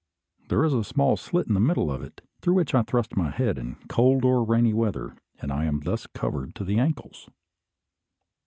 There is a small slit in the middle of it, through which I thrust my head in cold or rainy weather; and I am thus covered to the ankles.